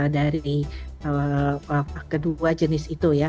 dari kedua jenis itu ya